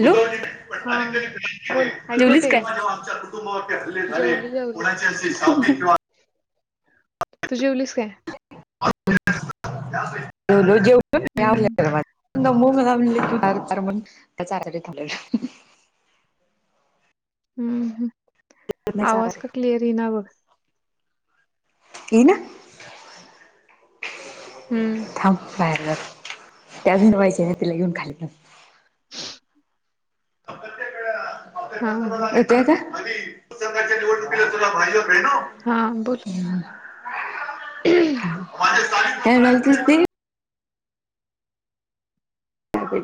Hello... हा... बोल ऐकू जेवलीस येते काय... आमच्या कुटुंबावरती हले झाले... जेवलो जेवलो तू जेवलीस काय? ज... हम्म म्हण त्याच आ झाले... हम्म हम् आवाज का क्लिअर येईना ना बघ.. येईना.... हम्म... बाहेर त्याच भरवाहायचे तिला येेऊन खाली... हा हा घाच्या निवडणु हा बोल तुला.... त्या...... सत... त्या प...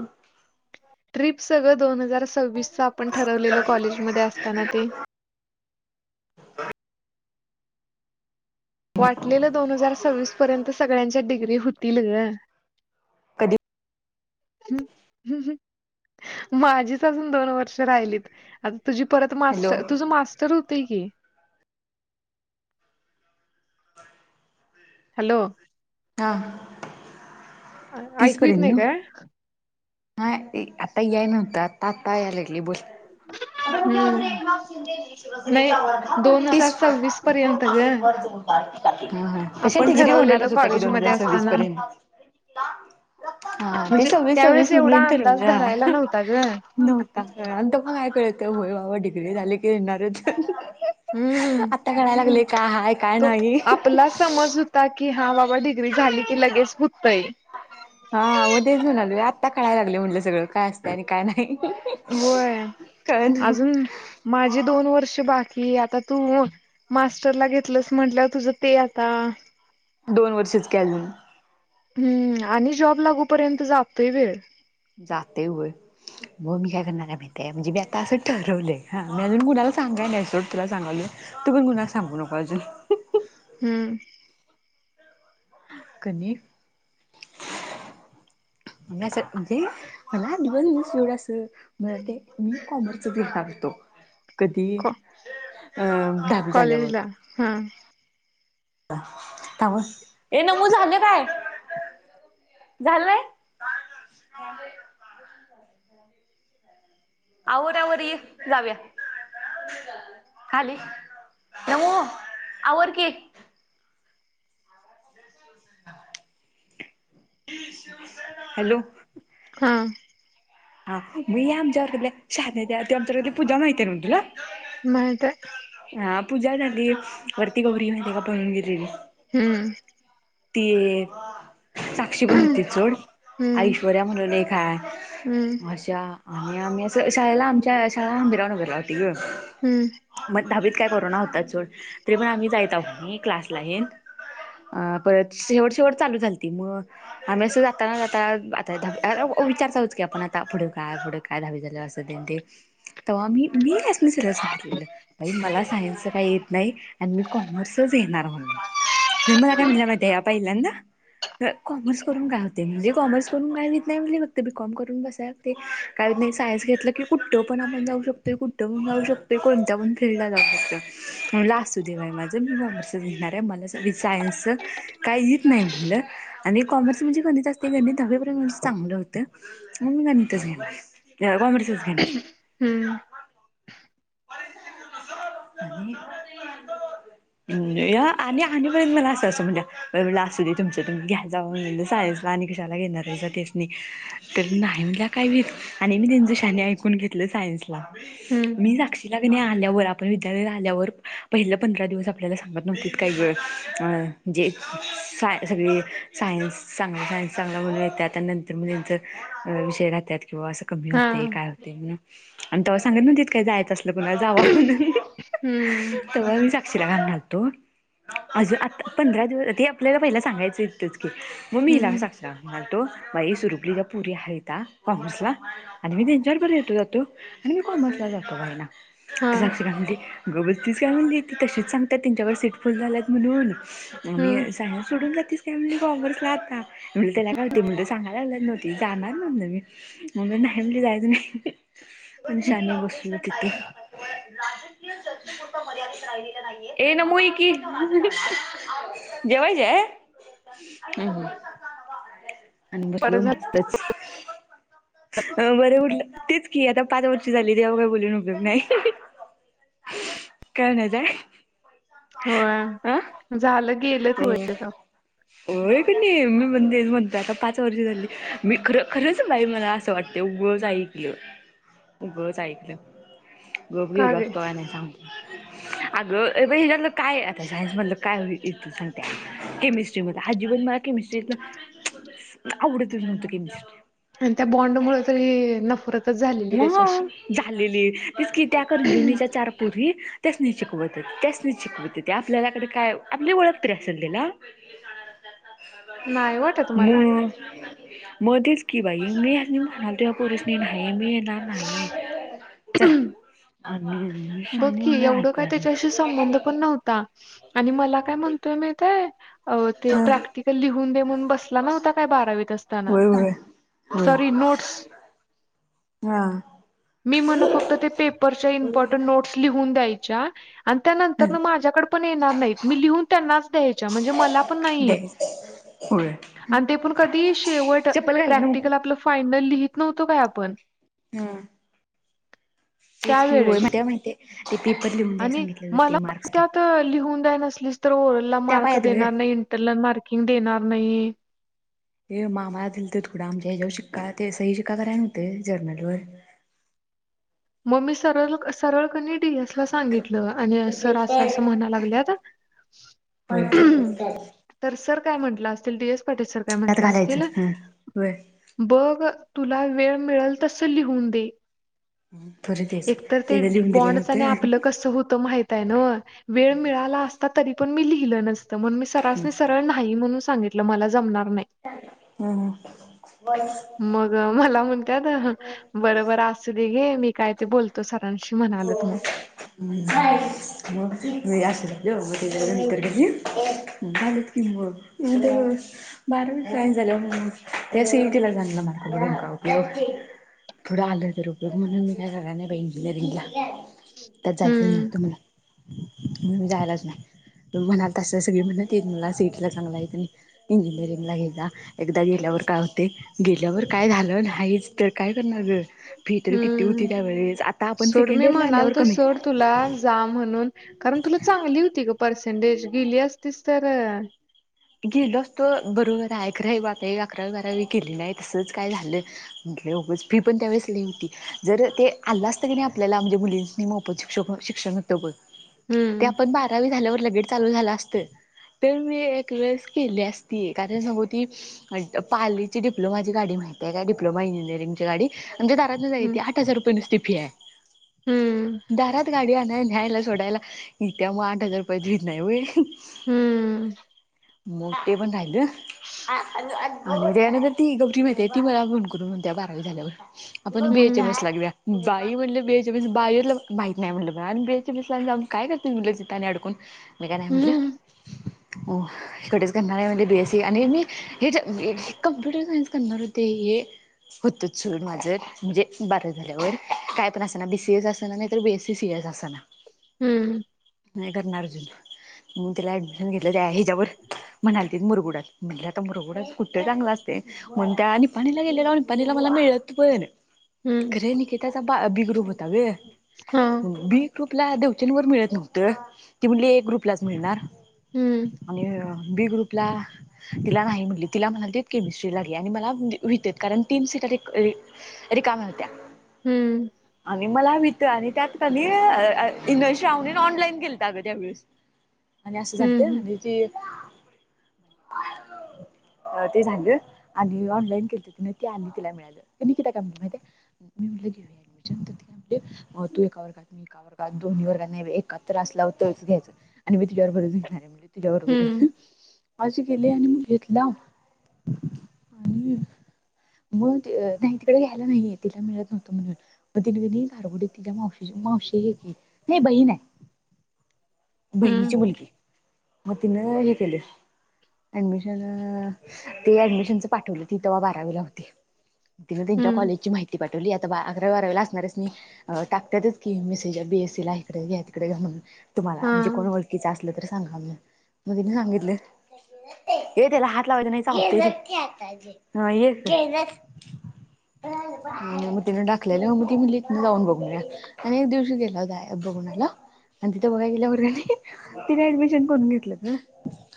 ट्रिप सगळं दोन हजार... सव्वीस च आपण ठरवलेल कॉलेज मध्ये असताना ते... वाटलेलं दोन हजार सव्वीस पर्यंत सगळ्यांच्या डिग्री होतील ग... कधी... हम हम माझी... तुझं अजून दोन वर्ष राहिलीत आता तुझी परत हॅलो मास्तर तुझ मास्टर होते की, हॅलो हा तीस ऐकू येत पर्यंत नाही ना काय? हा आता याय नव्हतं आता आता याय लागली बोल... ह... प मुख्यमंत्री एकनाथ शिंदे नाही शिवसेनेच्या वर्धापन दोन हजार दिनाच्या सव्वीस उद्धव पर्यंत ग ठाकरेंवर जोडले तीस... ह तश आपण डिग्री ठरवलेलं होणारच होत्या कि दोन कॉलेजमध्ये हजार सव्वीस असताना पर्यंत... हा ते म्हणजे सववीस त्यावेेळेस सववीस... तून एवढा अंदाज ठवला धरायला हा नव्हता ग नव्हता काळ तें पण काय कळ.. ते होय बाबा डिग्री झाले की येणार च. हूं हाय काय त नाही. आपला समज होता कि हा बा डिग्री झाली की लगेच हुतंय आता कळायला लागलय म्हनलं सगळं काय असते आणि काय नाही होय कळना अजून माझे दोन वर्ष बा कि आता तू मास्टरला घेतलंस म्हंटल्यावर तुझ ते आता दोन वर्षच कि अजून हूं आणि जॉब लागूपर्यंत जातोय वेळ जातय होय. हो मी आता मी काय करणार माहितीय, म्हणजे मी आता असं ठरवलंय, मी अजून कुना ला सांगाय नाही तुला सांगालोय तू पण कुणाला सांगू नको अजून हं कनी [inaudible] मी असं मनजे मला मिस होईल असं मधे मी कॉमर्स व्हा डेट टाकतो [inaudible] कधी? दहावी कॉलेज ला हा! थाम हं ए नमू झाले काय? झालंय आवर आवर ये जाऊया. खाली नमु आवर कि. हॅलो! हा! हा मी आमच्यावर्गातल्या शहाद्या च्या त्या आमच्या वर्गातली पूजा माहिती न तुला माहित आहे. हा पूजा झाली वरती गौरी माहित आहे काय पळून गेलेली हूं! ती साक्षी पण होती चड हम्म आश्ववर्या म्हणून एक हाय हम्म अशा आणि आम्ही असं शाळेला आमच्या शाळा हंबिराव नगर होती ग हूं! दहा वीत काय कोरोना होतात सोड तरी पण आम्ही जायताव कणी क्लास ला हेन अ परत शेवट, शेवट चालू झालती म आम्ही असं जाताना जाता आता विचार चालूच केला आपण आता पुढ काय, पुढ काय, दहा वी झाल असं तेन ते तव्हा मी, मी त्यांसनी सरळ सांगितलेलं बाई मला सायन्सच काही येत नाही आणि मी कॉमर्सच घेणार म्हणून न मला काय म्हणल्या माहिती ल्यांदा कॉमर्स करून काय होते म्हणले कॉमर्स करून काय व्हूत नाही म्हनले फक्त बी कॉम करून बसाया लागते काय नही सायनस घेतलं की कुठं पण आपण जाऊ शकतोय, कुठं पण जाऊ शकतोय, कोणत पण फील्डला जाऊ शकतो लास्ट हो देवय माज मी कॉमर्सच घेणार आहे मला सर्वी सायन्स च काहीत नाही म्हनलं, आणि कॉमर्स म्हणजे गणित असते, गणित दहावीपर्यंत माज चांगलं होतं गणितच घेणार अ कॉमर्स च घेणार, हूं! [inaudible] [unintelligible] म्हणजे या आणि आणीपर्यंत मला असं, असं म्हणल्या म्हटलं असू दे तुमच तुम्ही घ्या जाऊन साय आणि कशाला घेणार ऐसा तेसनी तर नाही म्हणल्या काय मी आणी मी त्यांच शाने ऐकून घील घेतला सायन्स ला हम्म मी जा मी आल्यावर आपण विद्यालय आल्यावर, पहिल्य पंधरा दिवस आपल्याला सांगत नव्हतीत, काय ग. जे साय सगळी सायन्स चांगलाच हाय, चांगल हाय म्हनत्यात आणि ते म्हणत्यात विषय राहत्यात किंवा असं कमी होतय, हा काय होतय आन तव्हा सांगत न्हवतीत काय? जायचं असल जावा हम्म, म्हणून साक्षी ला घालणार होतो. आजुन आता पंधरा दिवस आपल्याला पहिला सांगायचं इथच. म मी हिला हम्म, साक्षी ला काय म्हणालतो? [unintelligible] बाई, सुरुपलीला पोरी हाईता कॉमर्सला आणि मी त्यांच्या बरोबर येतो, जातो आणि मी कॉमर्स तर जातो बाई ना. हा, साक्षी काय म्हणली, गब बसतीस काय म्हणली? ती तशीच सांगत्यात, त्यांच्याकड सीटफुल झाल्यात म्हणून हम्म. आणि सायन्स सोडून जातीस. ती म्हणती कॉमर्सला आता, म्हनल त्याला काय व्हतय? म्हणल सांगाय लागल्यात नव्ह ती, जाणार म्हणल मी आणि नाही म्हणली, जायाच नाही, कोण शानी बसली तिथ? [inaudible] ये नमु ये की जेवायची हाय. आणि बसलो बरं मी झालं तिथंच, अ बर उठलं की आता पाच वर्ष झाली, तेव्हा काही बोलून उपयग नाही. काय नाही ताई. होय झालं. गेलं ते होय आता. होय कणी मी तेचं म्हणतेय आता पाच वर्ष झाली. मी खर खरंच बाई मला असं वाटते उगाच ऐकलं. उगच ऐकलं गप घेलो असतो. का आणि सांग. अगं हेच्यातल काय. आता सायन्स मधलं काय होईल. सांगते केमिस्ट्री आजीबात मला केमिस्ट्रीतल. आवडतच नव्हत केमिस्ट्री आणि त्या बॉन्ड मुळ तरी नफरत. व झालेली तेच कि. त्या करंजीवनीच्या चार पूरी. त्यासनी शिकवत होती. त्यासनी शिकवत होती. आपल्यालाकडे काय. आपली ओळख तरी असेल तिला. ह [unintelligible] मग. मग तेच की बाई मी आणि म्हणालोय त्या पोरीसनी नाही मी येणार नाही. चला. शानी बघकी नाही एवढं काय ऐकाय त्याच्याशी संबंध पण नव्हता. आणि मला काय म्हणतोय माहिती आहे. ते हा प्रॅक्टिकल लिहून दे म्हणून बस. ला नव्हता का बारावीत असताना होय होय होय सॉरी नोट्स. हा मी म्हण फक्त ते पेपरच्या इम्पॉर्टं नोट्स लिहून द्यायच्या. आणि ह त्यानंतर माझ्याकडे पण येणार नाहीत. मी लिहून त्यांनाच द्यायच्या म्हणजे मला पण नाही. द्यायच होय. आणि ते पण कधी शेवट चप्पल घाल ना मग. प्रॅक्टिकल आपल फायनललिह. नव्हतो काय आपण. हम. तेच कि व्हय त्यावेेळेस माहिती हाय माहित. मी पण लीहून द्याय आणि सांगितलेल ते मला मार्क. त्यात लिहून जाय नसलीस तर. ओरल-ला त्या मार्क पायात ग. देणार नाही. इंटरल मार्किंग देणार नाही. हे म आमाला दिल ते थोडा. आमच्या ह्यावर शिक्का ते अ सही शिक्का कराय नव्हते जर्नल वर. म मी सरळ-सरळ कनी. टी. एस ला सांगितलं आणि सर अस-अस म्हणाय लागल्यात आता. ह चौपस्कार. [unintelligible] काय म्हंटलं असतील डी. एस. पाटील सर काय म्हटलं असतील हा होय बघ. तुला वेळ मिळल तसं लिहून दे. हा तरी. एकतर ते बॉनडच आणि आपलं कस होतं माहितय नव्हं. वेळ मिळाला असता तरी पण लिह- नत मी स मस्त सरळ नाही म्हणून सांगित मला जम हा हा. मग मला म्ह त्यात बरोबर असुदे घे मी काय ते बोलतो सरांशी. म्हणालत मग. म असल मग त्याच्यानंतर झाले की मग बारावी. त्या सी इ टी ला चांगल मार्क पडून काय उपयोग पुढं आलं तर उपयोग म्हणून मी काय कराय नाही बाई इंजिनिअरिंग. त्यात जायचं हम्म नव्हतं मला जायलाच नाही. म्हणाल त सगळी म्हण येला सिटीला चांगला य इंजिनिअरिंग ला घे जा एकदा गे ल्यावर काय होतय गेल्यावर काय झालं नाहीच तर काय करणार ग फी तर किती होती हम्म त्यावेळेस आता आपण. सोड सेकंड मी इयरला आल्यावर म्हणालतो च कमी सोड तुला जा म्हणून कारण तुला चांगली होतीग पर्सेंटेज गेली असतीस तर. गेलो असतो बरोबर आहे खर हे आत्ता आकरावी बारावी केली नाही तसंच काय झालं. उगाच फी पण त्यावेळेस होती जर ते आलं असतं की नाही आपल्याला म्हणजे मुलींनी म आपण शिक्ष शिक्षण होतं बघ ते हम्म आपण बारावी झाल्यावर लगेच चालू असतं तर मी. एक वेळेस केली असती कारण सांगू ती पाली ची डिप्लोमा ची गाडी माहीत का डिप्लोमा इंजीनियरिंग ची गाडी. म्हज दारात जाय हम्म ते आठ हजार रुपये नुसती फी आहे हम्म दारात गाडी आण घ्यायला सोडायला इ त्या्या मग आठ हजार रुपयेचत नाही होई. हम्म मोठे पण राय द म्हणजे आणि ती गौरी माहिती ती मला फोन करून म्हण त्या्या बारावी झाल्यावर आपण हम्म बीएचएमएस ल घेऊया. बाई म्हटले बेच्या बीस बाईला माहित नाही म्हटलं ब आणि बेच्यासला काय करते म्हटल तीथआणि अडकून. मी काय नाही हम्म म्हटल इकडेच करणार आहे म्हणजे बीएससी आणि मी हे ज कम्प्युटर सायन्स करणार होते हे. होतचडून माझ म्हणजे बारा झाल्यावर काय पण असताना बीसीएस असताना नाही बीएसी सी. ते असना. हम्म नाही करणार अजून म त्याला ऍडमिशन घेतलं ते ह्याच्यावर. म्हणाली त मुरगुडात म्हटले आता मुरगुडा कुठं चांगला असते म्हणनु त्या आणि निपाणीला गेलेला आणि निपाणी - मला मिळत पण हम्म निकिताचा त्याचा बा बि ग्रुप होता गे हा बी ग्रुपला देवचंवरर मिळत नव्हतं ती म्हली ए ग्रुपलाच मिळणार. हम्म आणि बी ग्रुपला तिला नाही म्हटली तिला म्हणा केमिस्ट्रीला आणि मला होतील कारण तीन सिटा. री रिकाम होत्या. हम्म आणि मला वितआणि त्यात कणी इश्रावणीन ऑनलाईन केलं अगं त्यावेळेस आणि असं झालतं,, हं, आणि ती. [unintelligible] अऽऽते झालं,, आणि ऑनलाईन केलं त तिन ते आणि तिला मिळालं, निकिता काय म्ह माहितीय मी. ेडमशन तर आप मग तूअ एका वर्गात, मी एका वर्गात, दोन् वर्गात एकत्र असलाव तर. घ्यायच,, आणि मी तुच्या् बरोबरच घेणार आहे, म्हणजे हं, तुच्याबरच अजी गेले आणि मी घेतला,, आणि हो., अ. नाही तिकडे घ्यायला नाहीये तिला मिळत नव्हतं,, म्हणून म त की नै. गारगडी तिच्या मावशी मावशी घ की नाही हे बहीन हाय बहिणीची हं, मुलगी,,, मग तिनं हे केलंय. एडमिशन,, अ, ते ऍडमिशनच पाठवलं हूती तेवा बारावीला हुती. तिनं त्यांच्या हं, कॉलेजची माहिती काढली. ती आता अकरा, बारावेेला असणारच. मी टाकतातच की मेसेज बी, एसी ला इकडे घ्या, तिकडे घ्या, म्हण. तुम्हाला,, म्हणजे हां. कोण ओळखीच असलं तर सांगा म,,, मग तिनं सांगितलं. [unintelligible] ये त्याला हात लावायच नाही चावतयं ते हं, ये [unintelligible] हा मग तिन टाकलेलं,, म मग ति म्हटली हितनल जाऊन बघून येऊया, आणि एक दिवशी तिला जायाचं - - आणि म्हणाल्या तिथ बघाय गेल्यावर,, तिने ऍडमिशन करून घेतलं गं.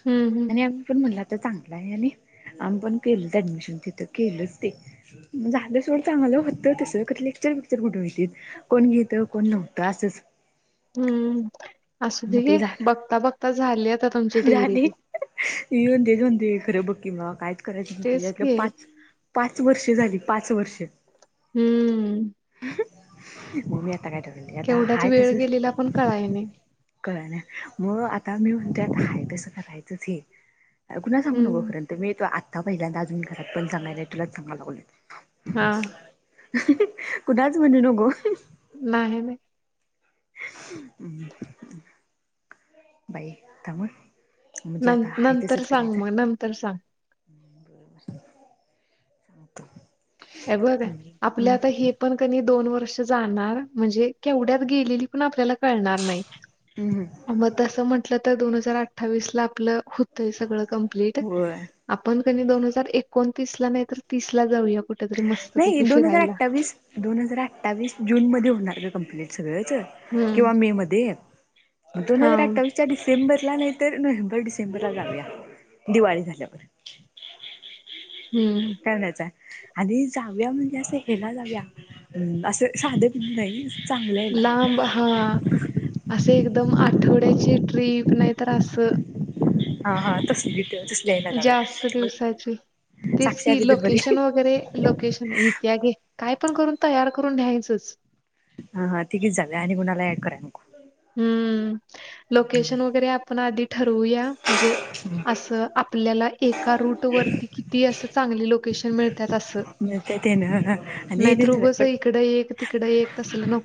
हं, हं, आणि आम्ही पण म्हणला तर चांगला आहे आणि- - आम्ही पण केलंच ऍडमिशन,, तिथं केलंच ते झाल्ं सोड चांगलं, होतं तस खरं लेक्चर बिकचर कुठं हुतीत. कोण घेतं, कोण नव्हतं असंच.. हम्म,, असू मग दे ते घे,, झालं बघता, बघता झाली आता तुमची डिग्री ती इन [unintelligible] खरं बघकी म कायच करायचं नव्ह तेच यातलं की पाच, पाच - - पाच वर्षे झाली,, पाच वर्षे. हम्म. मम. काय आता ठेवतोय केवढ्यात हाय तस वेळ गेलेला पण कळाय नाही. कळना मो आत मी म्हणत्या काय कसं करायचं ते,, कून्हाला सांगू नको खरं हं. पर्यंत मी तो आ. आता पहिल्यांदा अजून घरातण सांगाय नाई तुलाच सांगाय लागलोय. हा. कुनालाच म्हणू नको. नाही नाही. हम्. बाई त्यामुळं - - न ऽनंतर सांग मग,, नंतर सांग.. हं. बरं, बरं. सांगतो. ए बघ,, आपल्या आता हे पण क नइ दोन वर र्ष जाणार, म्हणजे केवढ्यात गेलेली पण आपल्याला - - कळनार नाही. हम्म आणि तसं म्हंटलं तर दोन हजार अठठावीसला आपल हुतं सगळं कंम्प्लीट होय आपण - - दोन हजार एकोणतीस ला नाही तर तीस ला जाऊया कुंठ - - नाही दोन हजार अठ्ठावीस, दोन हजार अठ्ठावीस जून मध्ये होणार गं कंप्लीट. वायच, हम्म किंवा मे मध्ये,, दोन हा हजार अठ्ठावीसच्या डिसें - - सप्टेंबरला नाही, तर नोव्हेंबर डिसेंबरला जाऊया दिवाळी झाल्यावर. हम्म करण्याचा. आहे आणि, जाऊया म्हणजे असं हेला जाऊया, असं साध बिध नाइ.. लांब,, हा,, असं एकदम - - आठवड्याची ट्रीप नाहीतर असं - - हा, हा, तसली तर - - जास्त दिवसाची. तेच साक्षी की आली तर बरी लोकेशन हा वगैरे लोकेशन घित्या गंकाय... तु खरं तयार करून घ्यायचंच. ह हा तिघिचं जाऊया आणि कुणाला ॲड करायला नको. हम्म लोकेशन वगैरे आपण आधी ठरवूया म्हणजे... असं आपल्याला एका रूट वरती किती असं चांगले लोकेशन मिळतात असं. ते ते.. नाहीत रुगच इकड एक तिकड एक तसल नको.